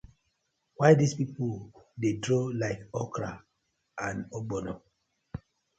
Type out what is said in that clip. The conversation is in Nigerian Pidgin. Why dis pipu dey draw like okra and ogbono.